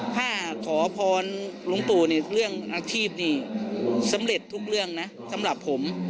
ถ้าขอพรหลวงปู่นี่เรื่องอาชีพนี่สำเร็จทุกเรื่องนะสำหรับผม